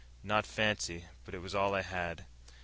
Not fancy, but it was all I had."